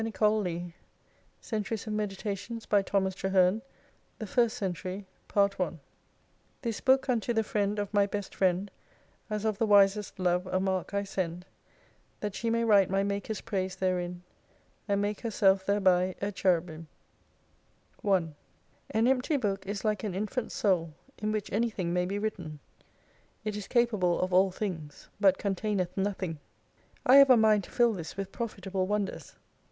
XXX CENTURIES OF MEDITATIONS [Author's inscription on the first leaf of ♦•Centuries of Meditations"] This book unto the friend of my best friend As of the wisest Love a mark I send, That she may write my Maker's prais therin And make her self therby a Cherubin. THE FIRST CENTURY 1 AN empty book is like an infant's soul, in which anything may be written. It is capable of all things, but containeth nothing. I have a mind to fill this witl profitable wonders.